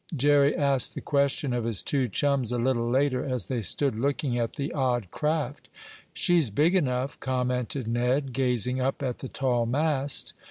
Jerry asked the question of his two chums a little later as they stood looking at the odd craft. "She's big enough," commented Ned, gazing up at the tall mast.